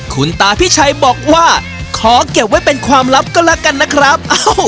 คุณตาพี่ชัยบอกว่าขอเก็บไว้เป็นความลับก็แล้วกันนะครับ